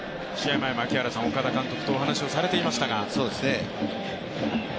前、槙原さんは岡田監督とお話をされていましたが。